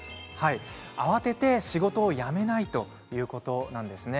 慌てて仕事を辞めないということなんです。